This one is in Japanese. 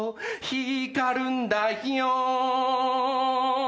光るんだよん